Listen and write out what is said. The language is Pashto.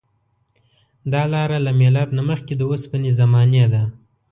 دا لاره له میلاد نه مخکې د اوسپنې زمانې ده.